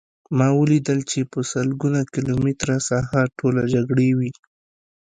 ما ولیدل چې په سلګونه کیلومتره ساحه ټوله جګړې وه